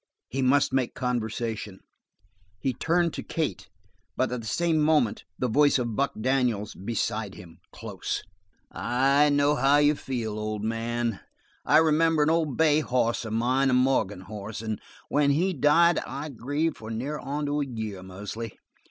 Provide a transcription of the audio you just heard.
He must make conversation; he turned to Kate, but at the same moment the voice of Buck Daniels beside him, close. "I know how you feel, old man. I remember an old bay hoss of mine, a Morgan hoss, and when he died I grieved for near onto a year, mostly.